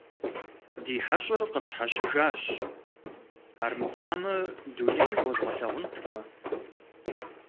Ди хьэщӀэр къыпщхьэщыжащ армыхъуамэ дуней уэзгъэлъагъунт уэ.